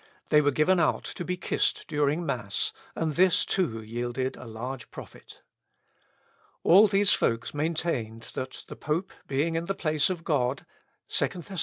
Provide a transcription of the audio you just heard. They were given out to be kissed during mass, and this too yielded a large profit." "All these folks maintained, that the pope being in the place of God, (2 Thess.